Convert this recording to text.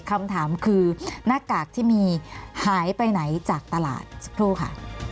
คำถามคือหน้ากากที่มีหายไปไหนจากตลาดสักครู่ค่ะ